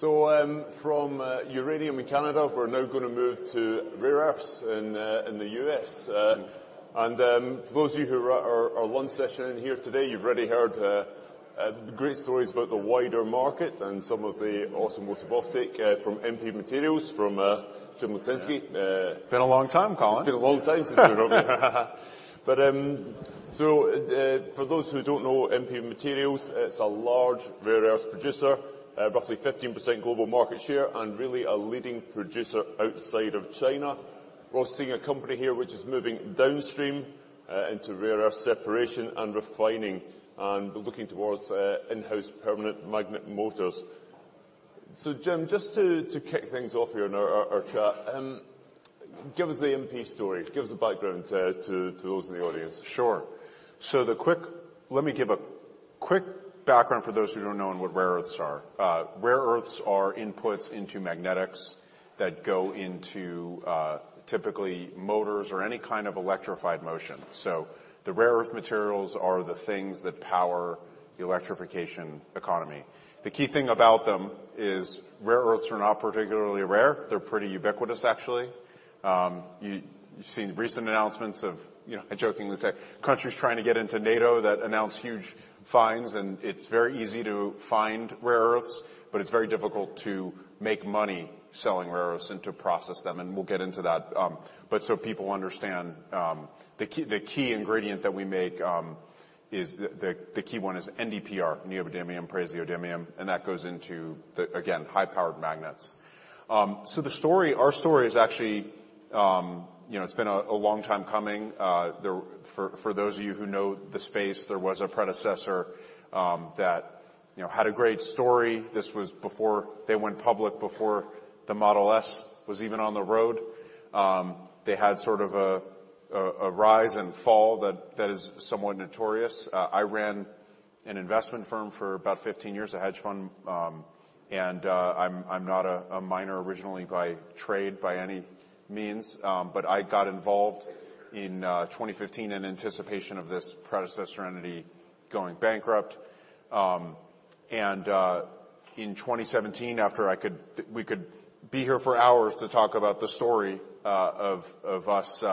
From Uranium in Canada, we're now gonna move to rare earths in the U.S. For those of you who are one session in here today, you've already heard great stories about the wider market and some of the awesome automotive uptake from MP Materials from Jim Litinsky. Been a long time, Colin. It's been a long time since been over. For those who don't know MP Materials, it's a large rare earths producer, roughly 15% global market share, and really a leading producer outside of China. We're seeing a company here which is moving downstream, into rare earth separation and refining, and looking towards in-house permanent magnet motors. Jim, just to kick things off here on our chat, give us the MP story. Give us the background to those in the audience. Sure. Let me give a quick background for those who don't know on what rare earths are. Rare earths are inputs into magnetics that go into typically motors or any kind of electrified motion. The rare earth materials are the things that power the electrification economy. The key thing about them is rare earths are not particularly rare. They're pretty ubiquitous actually. You've seen recent announcements of, you know, I jokingly say, countries trying to get into NATO that announce huge finds, and it's very easy to find rare earths, but it's very difficult to make money selling rare earths and to process them. We'll get into that. People understand, the key, the key ingredient that we make, is the key one is NdPr, neodymium-praseodymium, and that goes into the, again, high-powered magnets. The story, our story is actually, you know, it's been a long time coming. For those of you who know the space, there was a predecessor, that, you know, had a great story. This was before they went public, before the Model S was even on the road. They had sort of a rise and fall that is somewhat notorious. I ran an investment firm for about 15 years, a hedge fund. I'm not a miner originally by trade by any means, but I got involved in 2015 in anticipation of this predecessor entity going bankrupt. In 2017, after we could be here for hours to talk about the story, of us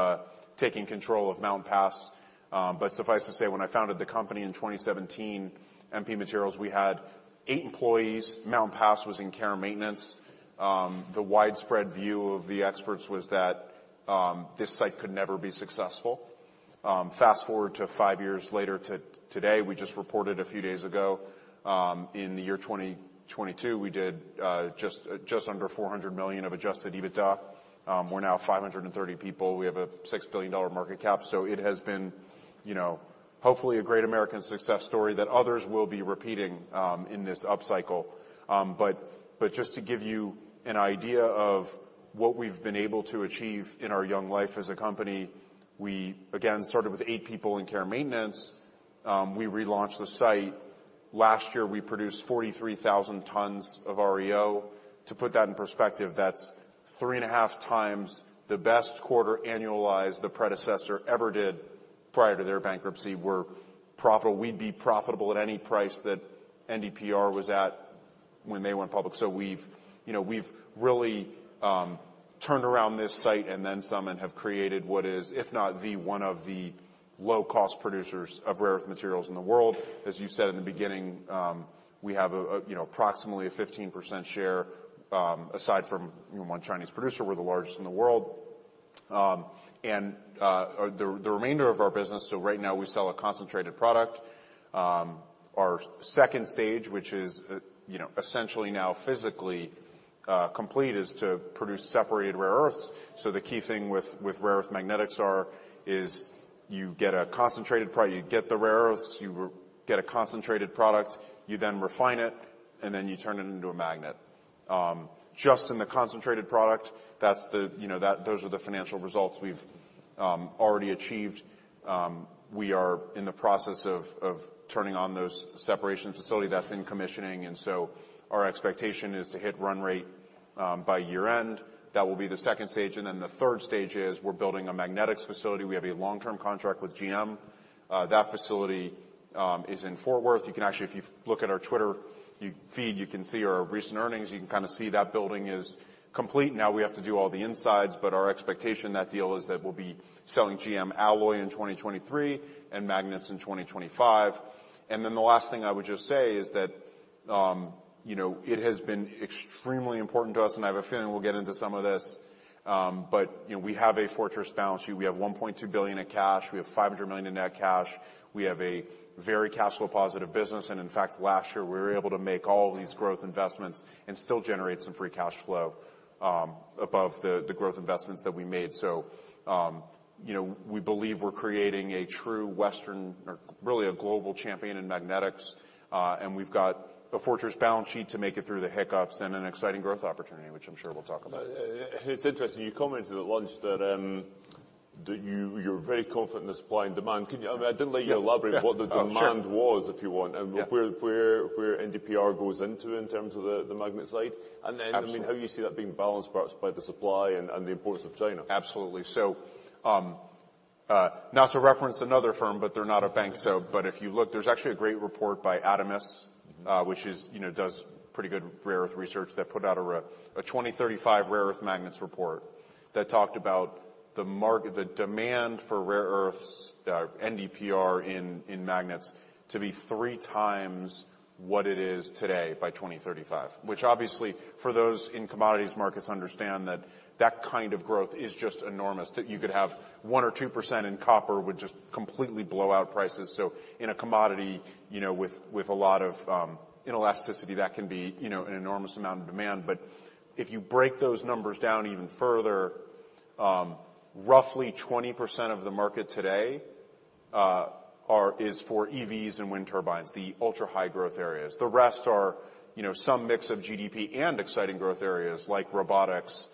taking control of Mountain Pass. Suffice to say, when I founded the company in 2017, MP Materials, we had eight employees. Mountain Pass was in care and maintenance. The widespread view of the experts was that this site could never be successful. Fast-forward to five years later to today, we just reported a few days ago, in the year 2022, we did just under $400 million of Adjusted EBITDA. We're now 530 people. We have a $6 billion market cap. It has been, you know, hopefully a great American success story that others will be repeating in this upcycle. Just to give you an idea of what we've been able to achieve in our young life as a company, we, again, started with eight people in care and maintenance. We relaunched the site. Last year, we produced 43,000 tons of REO. To put that in perspective, that's three and a half times the best quarter annualized the predecessor ever did prior to their bankruptcy. We're profitable. We'd be profitable at any price that NdPr was at when they went public. We've, you know, we've really turned around this site and then some and have created what is, if not the one of the low-cost producers of rare earth materials in the world. As you said in the beginning, we have a, you know, approximately a 15% share, aside from one Chinese producer. We're the largest in the world. The remainder of our business, so right now we sell a concentrated product. Our second stage, which is, you know, essentially now physically complete, is to produce separated rare earths. The key thing with rare earth magnetics are is you get a concentrated you get the rare earths, you get a concentrated product, you then refine it, and then you turn it into a magnet. Just in the concentrated product, that's the, you know, those are the financial results we've already achieved. We are in the process of turning on those separation facility that's in commissioning, our expectation is to hit run rate by year-end. That will be the second stage. The third stage is we're building a magnetics facility. We have a long-term contract with GM. That facility is in Fort Worth. You can actually, if you look at our Twitter feed, you can see our recent earnings. You can kind of see that building is complete. We have to do all the insides, but our expectation, that deal, is that we'll be selling GM alloy in 2023 and magnets in 2025. The last thing I would just say is that, you know, it has been extremely important to us, and I have a feeling we'll get into some of this, but, you know, we have a fortress balance sheet. We have $1.2 billion in cash. We have $500 million in net cash. We have a very cash flow positive business, and in fact, last year, we were able to make all these growth investments and still generate some free cash flow above the growth investments that we made. You know, we believe we're creating a true Western or really a global champion in magnetics, and we've got a fortress balance sheet to make it through the hiccups and an exciting growth opportunity, which I'm sure we'll talk about. It's interesting, you commented at lunch that you're very confident in supply and demand. Can you I mean, I didn't let you elaborate what the demand was, if you want, and where NdPr goes into in terms of the magnet side. Absolutely. I mean, how you see that being balanced perhaps by the supply and the imports of China. Absolutely. Not to reference another firm, but they're not a bank, but if you look, there's actually a great report by Adamas, which is, you know, does pretty good rare earth research. They put out a 2035 rare earth magnets report that talked about the demand for rare earths, NdPr in magnets to be 3x what it is today by 2035. Which obviously for those in commodities markets understand that that kind of growth is just enormous, that you could have 1% or 2% in copper would just completely blow out prices. In a commodity, you know, with a lot of, you know, elasticity that can be, you know, an enormous amount of demand. If you break those numbers down even further, roughly 20% of the market today is for EVs and wind turbines, the ultra-high growth areas. The rest are, you know, some mix of GDP and exciting growth areas like robotics,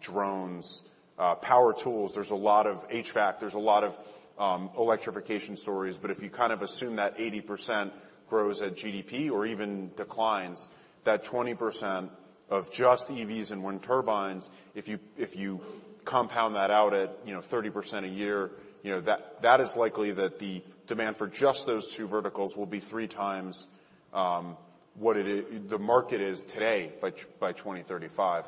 drones, power tools. There's a lot of HVAC, there's a lot of electrification stories. If you kind of assume that 80% grows at GDP or even declines, that 20% of just EVs and wind turbines, if you compound that out at, you know, 30% a year, you know, that is likely that the demand for just those two verticals will be 3x the market is today by 2035.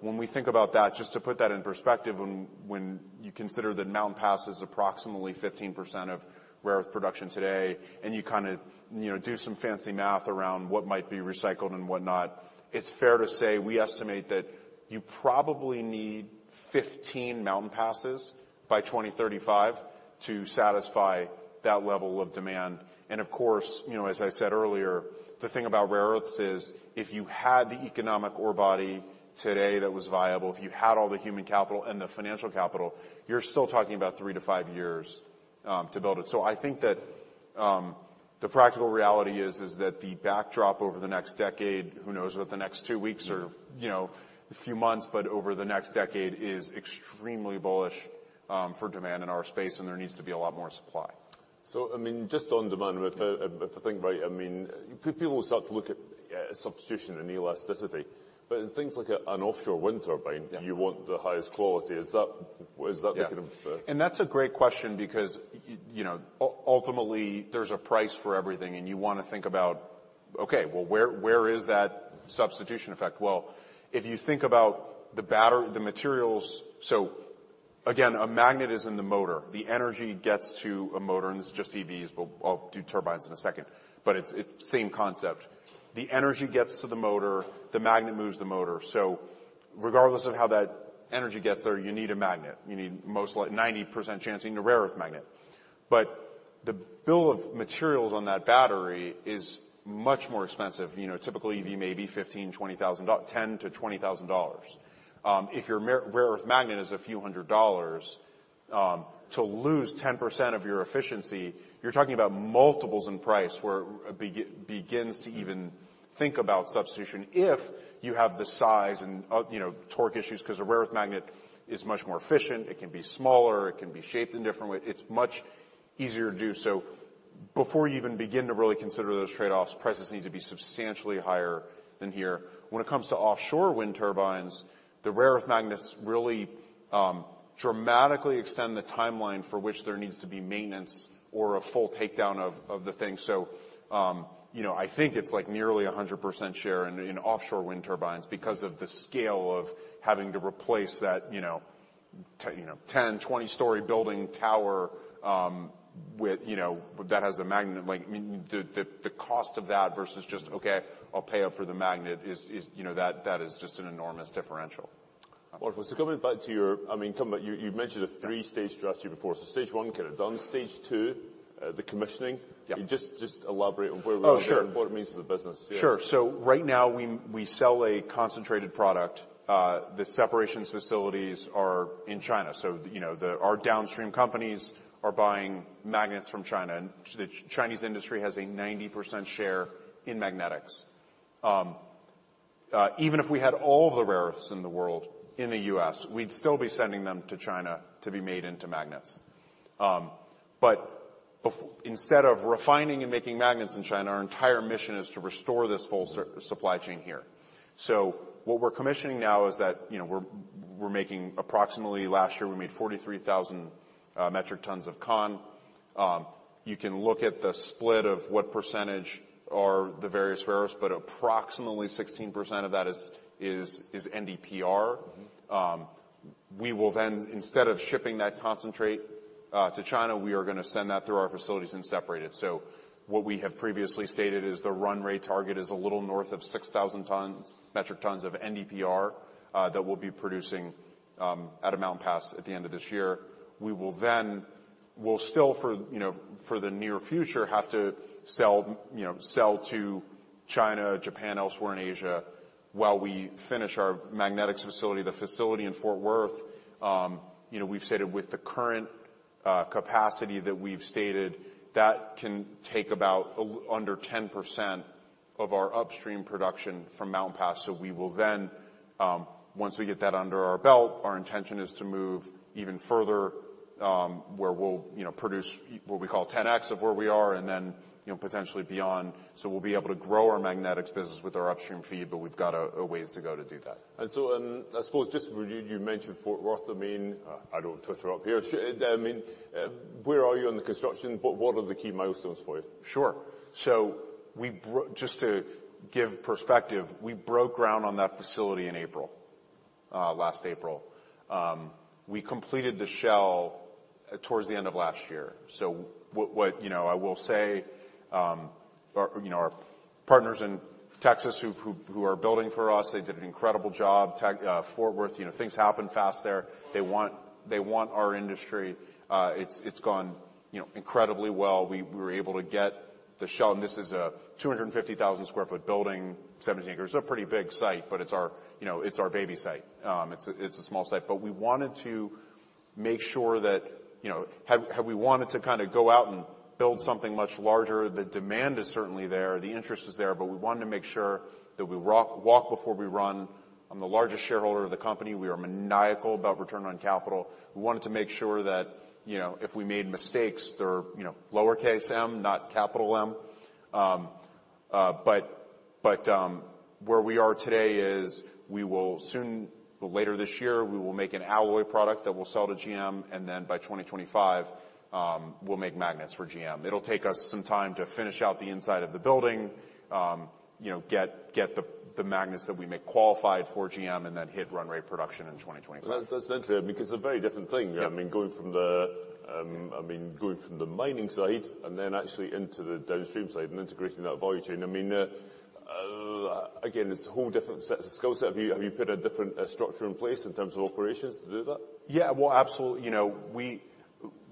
When we think about that, just to put that in perspective, when you consider that Mountain Pass is approximately 15% of rare-earth production today, and you kinda, you know, do some fancy math around what might be recycled and whatnot, it's fair to say we estimate that you probably need 15 Mountain Passes by 2035 to satisfy that level of demand. Of course, you know, as I said earlier, the thing about rare earths is if you had the economic ore body today that was viable, if you had all the human capital and the financial capital, you're still talking about three to five years to build it. I think that, the practical reality is that the backdrop over the next decade, who knows what the next two weeks or, you know, few months, but over the next decade is extremely bullish, for demand in our space, and there needs to be a lot more supply. I mean, just on demand, if I think right, I mean, people will start to look at substitution and elasticity. In things like an offshore wind turbine. Yeah ...you want the highest quality. Is that the kind of? Yeah. That's a great question because you know, ultimately there's a price for everything, and you wanna think about, okay, well, where is that substitution effect? Well, if you think about the materials... Again, a magnet is in the motor. The energy gets to a motor, and this is just EVs, but I'll do turbines in a second, but it's same concept. The energy gets to the motor, the magnet moves the motor. Regardless of how that energy gets there, you need a magnet. You need most like 90% chance you need a rare earth magnet. The bill of materials on that battery is much more expensive. You know, typically maybe $10,000-$20,000. If your rare earth magnet is a few hundred dollars, to lose 10% of your efficiency, you're talking about multiples in price, where it begins to even think about substitution if you have the size and, you know, torque issues, 'cause a rare earth magnet is much more efficient. It can be smaller, it can be shaped in different way. It's much easier to do. Before you even begin to really consider those trade-offs, prices need to be substantially higher than here. When it comes to offshore wind turbines, the rare earth magnets really dramatically extend the timeline for which there needs to be maintenance or a full takedown of the thing. you know, I think it's like nearly 100% share in offshore wind turbines because of the scale of having to replace that, you know, 10, 20 story building tower, with, you know, that has a magnet. Like, I mean, the, the cost of that versus just, "Okay, I'll pay up for the magnet," is, you know, that is just an enormous differential. Wonderful. I mean, coming back, you mentioned a three-stage strategy before. Stage 1, get it done. Stage 2, the commissioning. Yeah. Just elaborate on. Oh, sure. What it means to the business. Yeah. Sure. Right now we sell a concentrated product. The separations facilities are in China. You know, the, our downstream companies are buying magnets from China, and the Chinese industry has a 90% share in magnetics. Even if we had all the rare earths in the world in the U.S., we'd still be sending them to China to be made into magnets. Instead of refining and making magnets in China, our entire mission is to restore this full supply chain here. What we're commissioning now is that, you know, we're making approximately, last year we made 43,000 metric tons of concentrate. You can look at the split of what percentage are the various rare earths, approximately 16% of that is NdPr. Mm-hmm. We will then, instead of shipping that concentrate to China, we are gonna send that through our facilities and separate it. What we have previously stated is the run rate target is a little north of 6,000 tons, metric tons of NdPr that we'll be producing out of Mountain Pass at the end of this year. We will then, we'll still for, you know, for the near future, have to sell, you know, sell to China, Japan, elsewhere in Asia while we finish our magnetics facility, the facility in Fort Worth. You know, we've said with the current capacity that we've stated, that can take about under 10% of our upstream production from Mountain Pass. We will then, once we get that under our belt, our intention is to move even further, where we'll, you know, produce what we call 10X of where we are and then, you know, potentially beyond. We'll be able to grow our magnetics business with our upstream feed, but we've got a ways to go to do that. I suppose just review, you mentioned Fort Worth. I mean, I don't touch it up here. I mean, where are you in the construction? What are the key milestones for you? Sure. Just to give perspective, we broke ground on that facility in April, last April. We completed the shell towards the end of last year. What, you know, I will say, our, you know, our partners in Texas who are building for us, they did an incredible job. Tech, Fort Worth, you know, things happen fast there. They want our industry. It's gone, you know, incredibly well. We were able to get the shell, and this is a 250,000 sq ft building, 70 acres. It's a pretty big site, but it's our, you know, it's our baby site. It's a small site. We wanted to make sure that, you know, had we wanted to kinda go out and build something much larger, the demand is certainly there, the interest is there, but we wanted to make sure that we walk before we run. I'm the largest shareholder of the company. We are maniacal about return on capital. We wanted to make sure that, you know, if we made mistakes, they're, you know, lowercase m, not capital M. Where we are today is we will soon, well, later this year, we will make an alloy product that we'll sell to GM, and then by 2025, we'll make magnets for GM. It'll take us some time to finish out the inside of the building, you know, get the magnets that we make qualified for GM and then hit run rate production in 2025. That's interesting because it's a very different thing. Yeah. I mean, going from the mining side and then actually into the downstream side and integrating that value chain. I mean, again, it's a whole different set of skill set. Have you put a different structure in place in terms of operations to do that? Yeah. Well, absolutely. You know,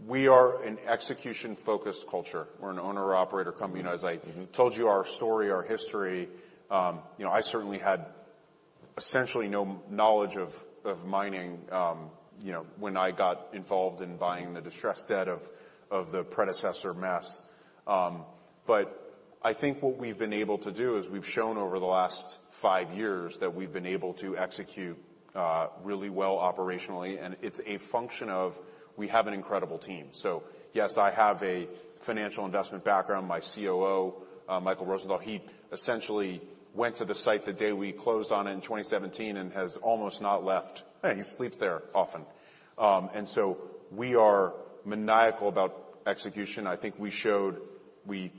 we are an execution-focused culture. We're an owner-operator company. You know, as I told you our story, our history, you know, I certainly had essentially no knowledge of mining, you know, when I got involved in buying the distressed debt of the predecessor MP Materials. I think what we've been able to do is we've shown over the last five years that we've been able to execute really well operationally, and it's a function of we have an incredible team. Yes, I have a financial investment background. My COO, Michael Rosenthal, he essentially went to the site the day we closed on in 2017 and has almost not left. He sleeps there often. We are maniacal about execution. I think we showed, you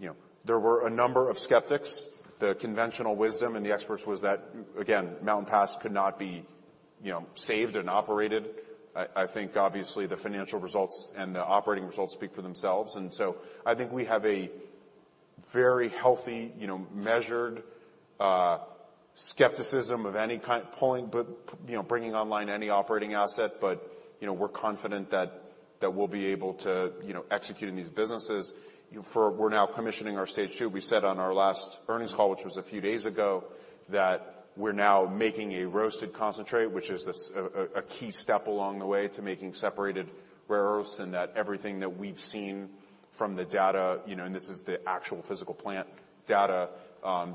know. There were a number of skeptics. The conventional wisdom and the experts was that, again, Mountain Pass could not be, you know, saved and operated. I think obviously the financial results and the operating results speak for themselves. I think we have a very healthy, you know, measured skepticism of any kind pulling, but, you know, bringing online any operating asset. You know, we're confident that we'll be able to, you know, execute in these businesses. You know, for we're now commissioning our stage 2. We said on our last earnings call, which was a few days ago, that we're now making a roasted concentrate, which is a key step along the way to making separated rare earths, and that everything that we've seen from the data, you know, and this is the actual physical plant data,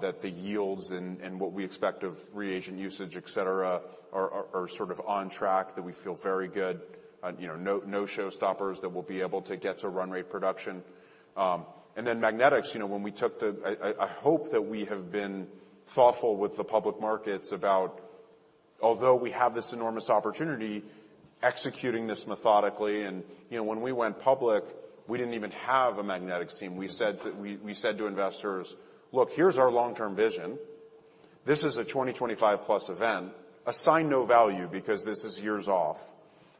that the yields and what we expect of reagent usage, et cetera, are sort of on track, that we feel very good. You know, no showstoppers that we'll be able to get to run rate production. Then magnetics, you know, when we took the... I hope that we have been thoughtful with the public markets about although we have this enormous opportunity executing this methodically, and, you know, when we went public, we didn't even have a magnetics team. We said to investors, "Look, here's our long-term vision. This is a 2025 plus event. Assign no value because this is years off."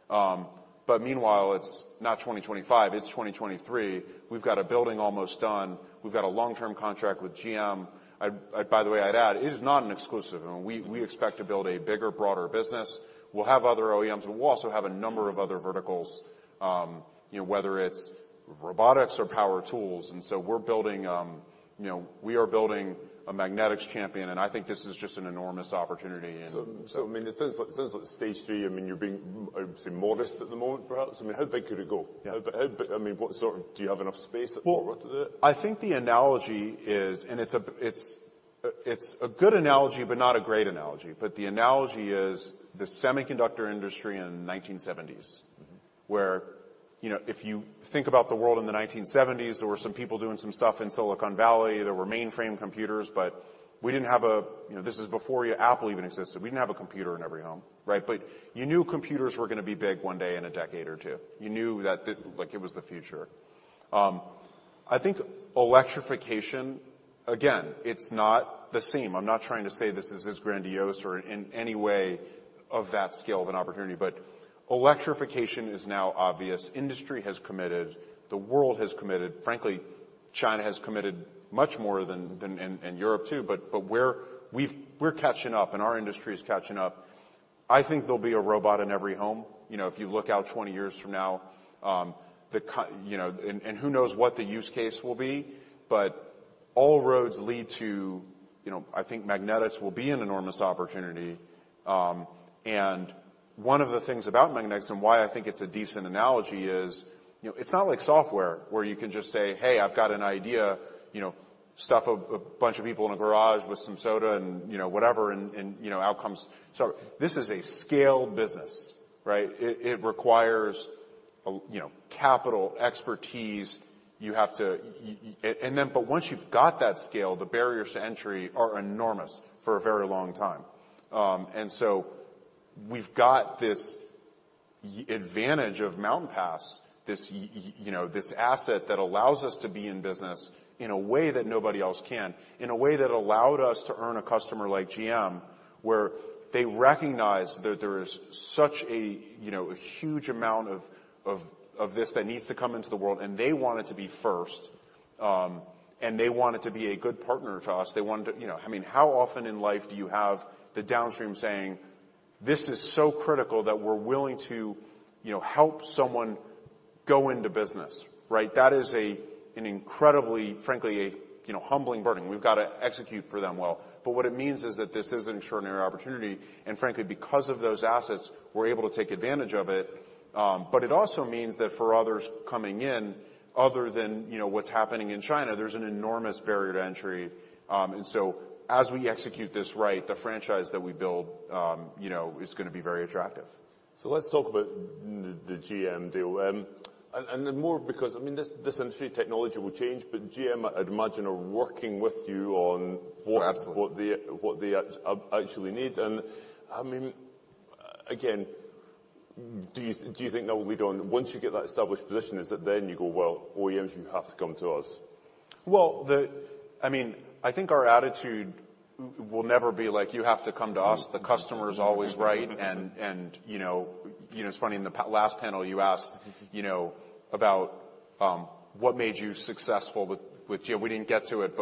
Meanwhile, it's not 2025, it's 2023. We've got a building almost done. We've got a long-term contract with GM. By the way, I'd add, it is not an exclusive and we expect to build a bigger, broader business. We'll have other OEMs, but we'll also have a number of other verticals, you know, whether it's robotics or power tools. We're building, you know, we are building a magnetics champion. I think this is just an enormous opportunity and- I mean, since stage 3, I mean, you're being, I would say modest at the moment, perhaps. I mean, how big could it go? Yeah. How big, I mean, do you have enough space at Fort Worth? Well, I think the analogy is, it's a, it's a good analogy, but not a great analogy. The analogy is the semiconductor industry in 1970s. Mm-hmm... where, you know, if you think about the world in the 1970s, there were some people doing some stuff in Silicon Valley. There were mainframe computers, we didn't have a, you know, this is before Apple even existed. We didn't have a computer in every home, right? You knew computers were gonna be big one day in a decade or two. You knew that the, like it was the future. I think electrification, again, it's not the same. I'm not trying to say this is as grandiose or in any way of that scale of an opportunity, but electrification is now obvious. Industry has committed. The world has committed. Frankly, China has committed much more than, and Europe too, but we're, we've, we're catching up and our industry is catching up. I think there'll be a robot in every home. You know, if you look out 20 years from now, you know, and who knows what the use case will be, but all roads lead to. You know, I think magnetics will be an enormous opportunity. One of the things about magnetics and why I think it's a decent analogy is, you know, it's not like software where you can just say, "Hey, I've got an idea," you know, stuff a bunch of people in a garage with some soda and, you know, whatever and, you know, out comes. This is a scale business, right? It requires, you know, capital, expertise. Once you've got that scale, the barriers to entry are enormous for a very long time. We've got this advantage of Mountain Pass. This, you know, this asset that allows us to be in business in a way that nobody else can, in a way that allowed us to earn a customer like GM, where they recognize that there is such a, you know, a huge amount of this that needs to come into the world, they want it to be first. They want it to be a good partner to us. You know, I mean, how often in life do you have the downstream saying, "This is so critical that we're willing to, you know, help someone go into business," right? That is a, an incredibly, frankly, a, you know, humbling burden. We've gotta execute for them well. What it means is that this is an extraordinary opportunity. Frankly because of those assets, we're able to take advantage of it. It also means that for others coming in, other than, you know, what's happening in China, there's an enormous barrier to entry. As we execute this right, the franchise that we build, you know, is gonna be very attractive. Let's talk about the GM deal. And then more because, I mean, this industry technology will change, but GM I'd imagine are working with you on what... Absolutely... what they actually need. I mean, again, do you think that will lead on? Once you get that established position, is it then you go, "Well, OEMs you have to come to us"? Well, I mean, I think our attitude will never be like, "You have to come to us." The customer's always right. You know, it's funny, in the last panel you asked. Mm-hmm... you know, about what made you successful with GM. We didn't get to it.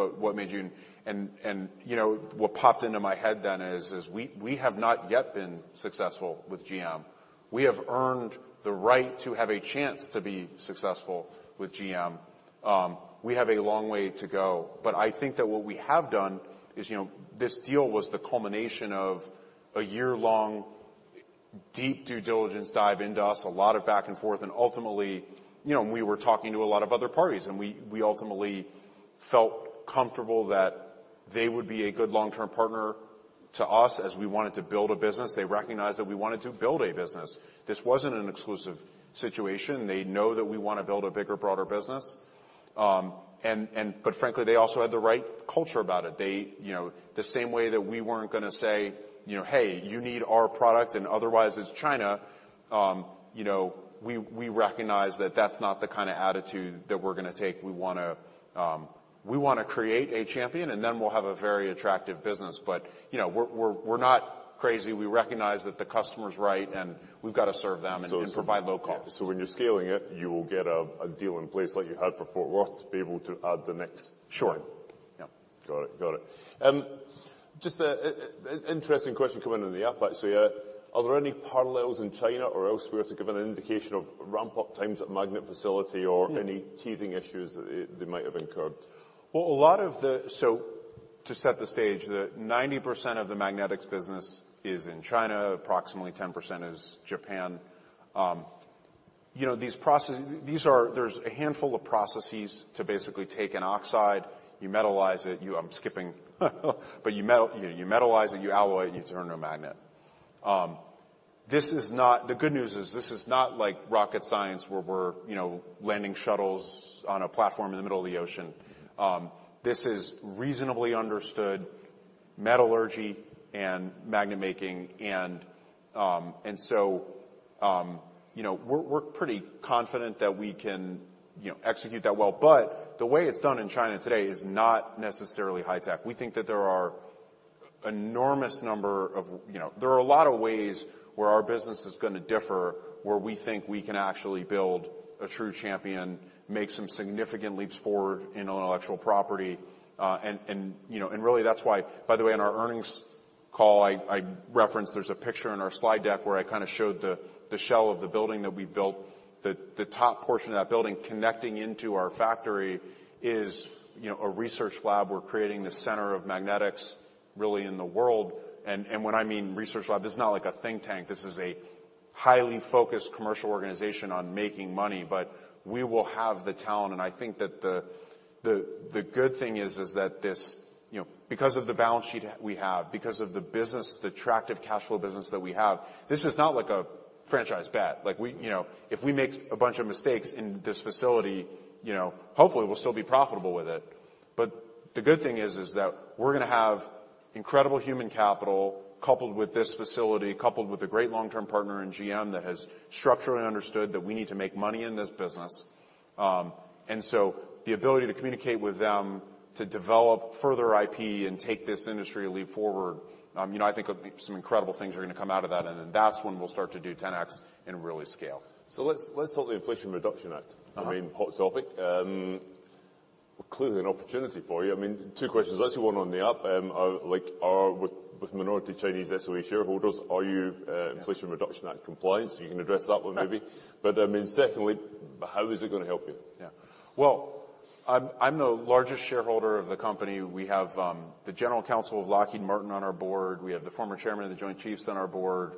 You know, what popped into my head then is we have not yet been successful with GM. We have earned the right to have a chance to be successful with GM. We have a long way to go. I think that what we have done is, you know, this deal was the culmination of a year-long deep due diligence dive into us, a lot of back and forth. Ultimately, you know, and we were talking to a lot of other parties, and we ultimately felt comfortable that they would be a good long-term partner to us as we wanted to build a business. They recognized that we wanted to build a business. This wasn't an exclusive situation. They know that we wanna build a bigger, broader business. But frankly, they also had the right culture about it. You know, the same way that we weren't gonna say, you know, "Hey, you need our product and otherwise it's China." You know, we recognize that that's not the kinda attitude that we're gonna take. We wanna, we wanna create a champion, and then we'll have a very attractive business. You know, we're not crazy. We recognize that the customer's right, and we've got to serve them and provide low cost. When you're scaling it, you will get a deal in place like you had for Fort Worth to be able to add. Sure. Okay. Yeah. Got it. Just a interesting question come in on the app, actually. Are there any parallels in China or elsewhere to give an indication of ramp-up times at magnet facility? Mm.... any teething issues that they might have incurred? To set the stage, the 90% of the magnetics business is in China, approximately 10% is Japan. you know, there's a handful of processes to basically take an oxide, you metalize it. I'm skipping. you metalize it, you alloy it, and you turn it into a magnet. The good news is this is not like rocket science where we're, you know, landing shuttles on a platform in the middle of the ocean. This is reasonably understood metallurgy and magnet making. you know, we're pretty confident that we can, you know, execute that well. The way it's done in China today is not necessarily high tech. We think that there are enormous number of. There are a lot of ways where our business is gonna differ, where we think we can actually build a true champion, make some significant leaps forward in intellectual property. You know, and really that's why, by the way, in our earnings call, I referenced there's a picture in our slide deck where I kinda showed the shell of the building that we built. The top portion of that building connecting into our factory is, you know, a research lab. We're creating the center of magnetics really in the world. When I mean research lab, this is not like a think tank. This is a highly focused commercial organization on making money. We will have the talent, and I think that the good thing is that this, you know, because of the balance sheet we have, because of the business, the attractive cash flow business that we have, this is not like a franchise bet. Like we, you know, if we make a bunch of mistakes in this facility, you know, hopefully we'll still be profitable with it. The good thing is that we're gonna have incredible human capital coupled with this facility, coupled with a great long-term partner in GM that has structurally understood that we need to make money in this business. The ability to communicate with them to develop further IP and take this industry a leap forward, you know, I think some incredible things are gonna come out of that. That's when we'll start to do 10X and really scale. Let's talk the Inflation Reduction Act. Uh-huh. I mean, hot topic. Clearly an opportunity for you. I mean, two questions. I see one on the app. Like, with minority Chinese SOE shareholders, are you Inflation Reduction Act compliant? You can address that one maybe. Yeah. I mean, secondly, how is it gonna help you? Well, I'm the largest shareholder of the company. We have the General Counsel of Lockheed Martin on our board. We have the former Chairman of the Joint Chiefs on our board.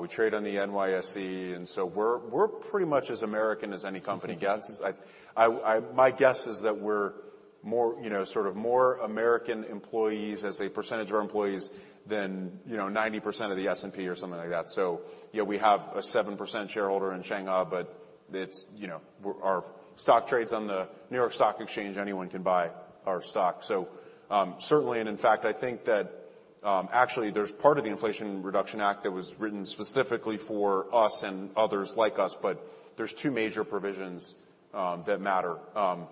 We trade on the NYSE, we're pretty much as American as any company gets. My guess is that we're more, you know, sort of more American employees as a percentage of our employees than, you know, 90% of the S&P or something like that. We have a 7% shareholder in Shanghai, but it's, you know, our stock trades on the New York Stock Exchange, anyone can buy our stock. Certainly and in fact, I think that actually there's part of the Inflation Reduction Act that was written specifically for us and others like us, there's two major provisions that matter. Section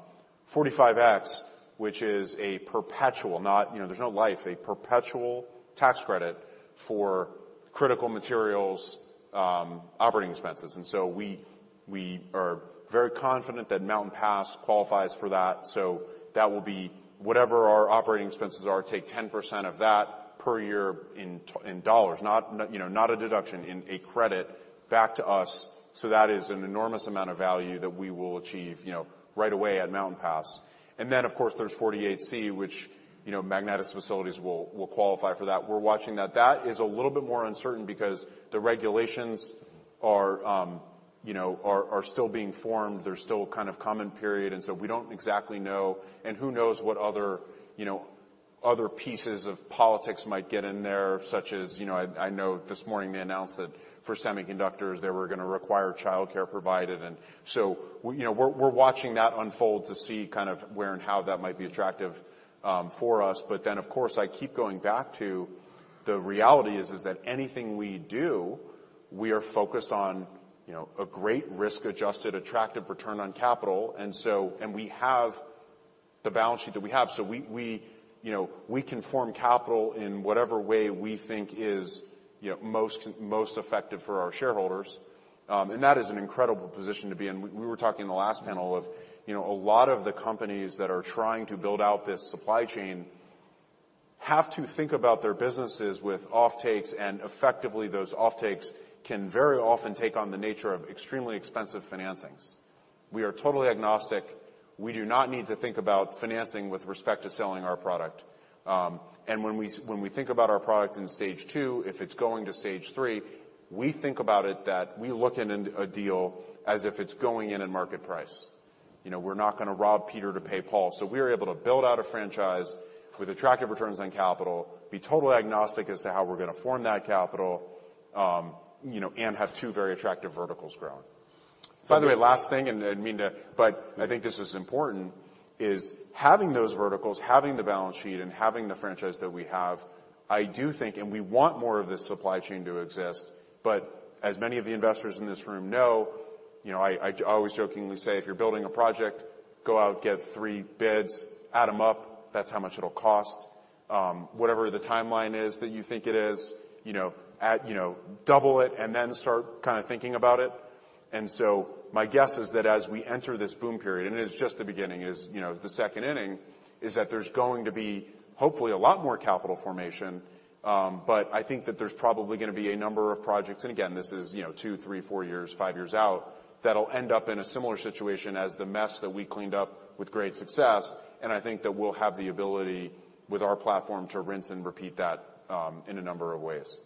45X, which is a perpetual, not, you know, there's no life, a perpetual tax credit for critical materials, operating expenses. We are very confident that Mountain Pass qualifies for that. That will be whatever our operating expenses are, take 10% of that per year in dollars, not, you know, not a deduction, in a credit back to us. That is an enormous amount of value that we will achieve, you know, right away at Mountain Pass. Of course, there's Section 48C, which, you know, Magnetic's facilities will qualify for that. We're watching that. That is a little bit more uncertain because the regulations are, you know, still being formed. There's still a kind of comment period, we don't exactly know. Who knows what other, you know, other pieces of politics might get in there, such as, you know, I know this morning they announced that for semiconductors, they were gonna require childcare provided. We, you know, we're watching that unfold to see kind of where and how that might be attractive for us. Of course, I keep going back to the reality is that anything we do, we are focused on, you know, a great risk-adjusted attractive return on capital. We have the balance sheet that we have. We, you know, we can form capital in whatever way we think is, you know, most effective for our shareholders. That is an incredible position to be in. We were talking in the last panel of, you know, a lot of the companies that are trying to build out this supply chain have to think about their businesses with offtakes, and effectively those offtakes can very often take on the nature of extremely expensive financings. We are totally agnostic. We do not need to think about financing with respect to selling our product. When we think about our product in stage 2 if it's going to stage 3, we think about it that we look in a deal as if it's going in at market price. You know, we're not gonna rob Peter to pay Paul. We're able to build out a franchise with attractive returns on capital, be totally agnostic as to how we're gonna form that capital, you know, and have two very attractive verticals growing. By the way, last thing, and I didn't mean to, but I think this is important, is having those verticals, having the balance sheet, and having the franchise that we have, I do think, and we want more of this supply chain to exist, but as many of the investors in this room know, you know, I always jokingly say, if you're building a project, go out, get three bids, add them up. That's how much it'll cost. Whatever the timeline is that you think it is, you know, double it and then start kinda thinking about it. My guess is that as we enter this boom period, and it is just the beginning, it is, you know, the second inning, is that there's going to be hopefully a lot more capital formation. I think that there's probably gonna be a number of projects, and again, this is, you know, two, three, four years, five years out, that'll end up in a similar situation as the mess that we cleaned up with great success. I think that we'll have the ability with our platform to rinse and repeat that in a number of ways.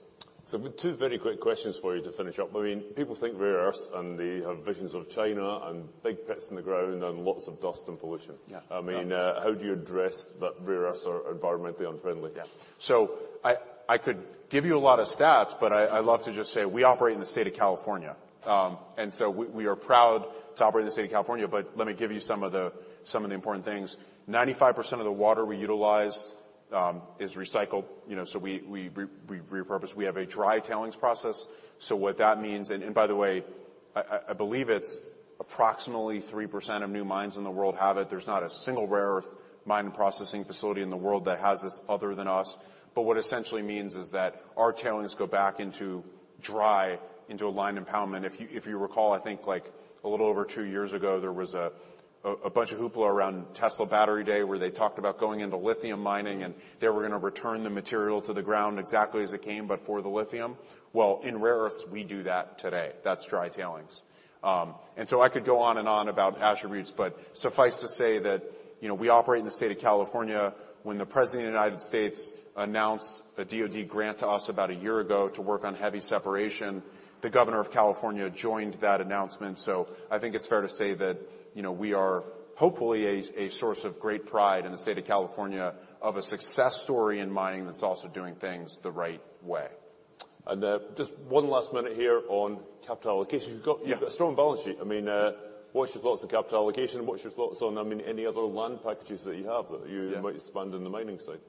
Two very quick questions for you to finish up. I mean, people think rare earths and they have visions of China and big pits in the ground and lots of dust and pollution. Yeah. I mean, how do you address that rare earths are environmentally unfriendly? Yeah. I could give you a lot of stats, but I love to just say we operate in the State of California. We are proud to operate in the State of California. Let me give you some of the important things. 95% of the water we utilize is recycled. You know, so we repurpose. We have a dry tailings process. What that means, and by the way, I believe it's approximately 3% of new mines in the world have it. There's not a single rare earth mine and processing facility in the world that has this other than us. What essentially means is that our tailings go back into dry, into a lined impoundment. If you recall, I think like a little over two years ago, there was a bunch of hoopla around Tesla Battery Day, where they talked about going into lithium mining, and they were gonna return the material to the ground exactly as it came, but for the lithium. Well, in rare earths, we do that today. That's dry tailings. I could go on and on about attributes, but suffice to say that, you know, we operate in the State of California. When the President of the United States announced the DoD grant to us about a year ago to work on heavy separation, the Governor of California joined that announcement. I think it's fair to say that, you know, we are hopefully a source of great pride in the State of California of a success story in mining that's also doing things the right way. And, just one last minute here on capital allocation. Yeah. You've got a strong balance sheet. I mean, what's your thoughts on capital allocation? What's your thoughts on, I mean, any other land packages that you have? Yeah. You might spend in the mining side?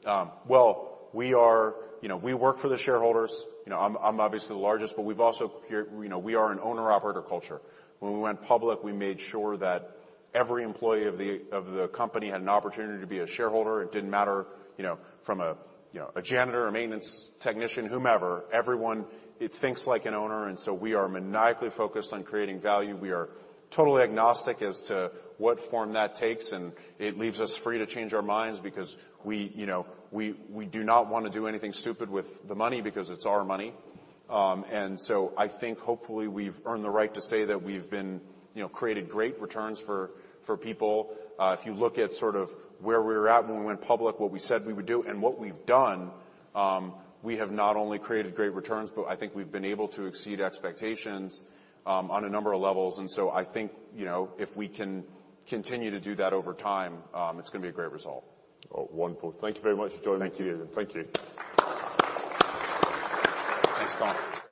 Well, we are, you know, we work for the shareholders. You know, I'm obviously the largest, but we've also, here, you know, we are an owner-operator culture. When we went public, we made sure that every employee of the company had an opportunity to be a shareholder. It didn't matter, you know, from a janitor, a maintenance technician, whomever, everyone, it thinks like an owner, we are maniacally focused on creating value. We are totally agnostic as to what form that takes, it leaves us free to change our minds because we, you know, we do not wanna do anything stupid with the money because it's our money. I think hopefully we've earned the right to say that we've been, you know, created great returns for people. If you look at sort of where we were at when we went public, what we said we would do and what we've done, we have not only created great returns, but I think we've been able to exceed expectations, on a number of levels. I think, you know, if we can continue to do that over time, it's gonna be a great result. Oh, wonderful. Thank you very much for joining me. Thank you. Thank you. Thanks, Colin.